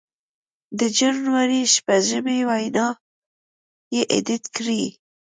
د جنوري شپږمې وینا یې اېډېټ کړې